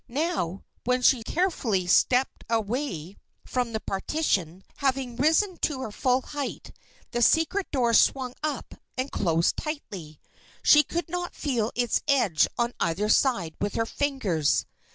Now, when she carefully stepped away from the partition, having risen to her full height, the secret door swung up and closed tightly. She could not feel its edge on either side with her fingers.